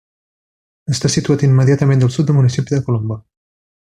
Està situat immediatament del sud del Municipi de Colombo.